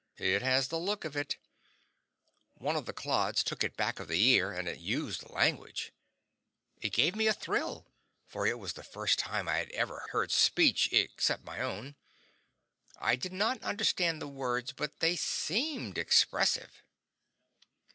It has the look of it. One of the clods took it back of the ear, and it used language. It gave me a thrill, for it was the first time I had ever heard speech, except my own. I did not understand the words, but they seemed expressive.